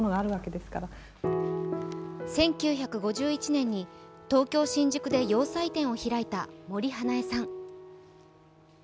１９５１年に東京・新宿で洋裁店を開いた森英恵さん。